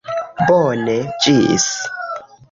Bone, ĝis